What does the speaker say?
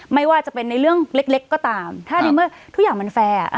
ไม่ว่าจะเป็นในเรื่องเล็กเล็กก็ตามถ้าในเมื่อทุกอย่างมันแฟร์อ่ะ